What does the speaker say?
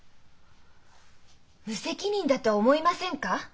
無責任だとは思いませんか？